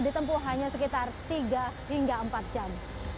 ditempuh hanya sekitar tiga hingga empat jam